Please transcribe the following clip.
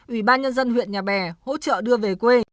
ủy ban nhân dân huyện nhà bè hỗ trợ đưa về quê